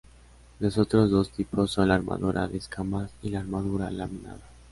Los otros dos tipos son la armadura de escamas y la armadura laminada.